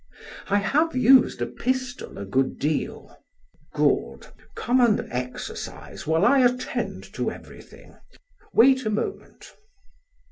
"I have used a pistol a good deal." "Good! Come and exercise while I attend to everything. Wait a moment."